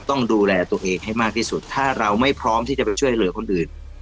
ต้องดูแลตัวเองให้มากที่สุดถ้าเราไม่พร้อมที่จะไปช่วยเหลือคนอื่น